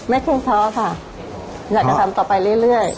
คงท้อค่ะอยากจะทำต่อไปเรื่อย